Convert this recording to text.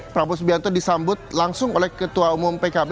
prabowo subianto disambut langsung oleh ketua umum pkb